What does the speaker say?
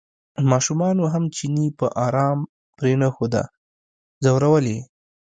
ماشومانو هم چینی په ارام پرېنښوده ځورول یې.